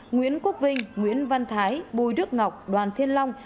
nguyễn quốc vinh nguyễn văn thái bùi đức ngọc đoàn thiên long